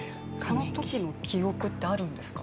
そのときの記憶ってあるんですか？